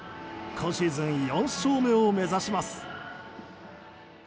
今シーズン４勝目を目指します。